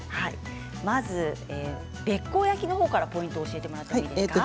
まず、べっこう焼きのほうからポイントを教えてもらえますか。